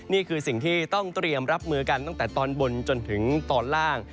นี่คือสิ่งที่ต้องเตรียมรับมือกันตั้งแต่ตอนบนจนถึงตอนล่าง